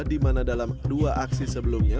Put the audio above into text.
di mana dalam dua aksi sebelumnya